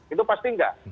itu pasti tidak